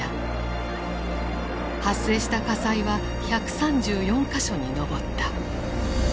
発生した火災は１３４か所に上った。